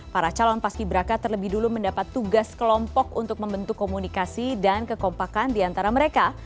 para calon paski braka terlebih dulu mendapat tugas kelompok untuk membentuk komunikasi dan kekompakan di antara mereka